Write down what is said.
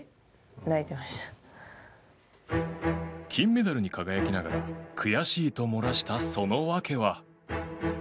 金メダルに輝きながら悔しいと漏らした、その訳は。